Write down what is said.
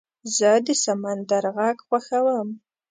زه د سمندر غږ خوښوم.